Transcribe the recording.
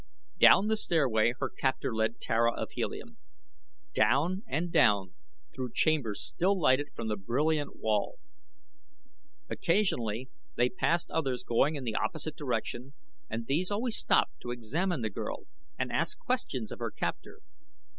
Down the stairway her captor led Tara of Helium. Down and down through chambers still lighted from the brilliant well. Occasionally they passed others going in the opposite direction and these always stopped to examine the girl and ask questions of her captor.